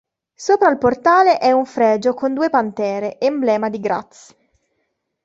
Sopra al portale è un fregio con due pantere, emblema di Graz.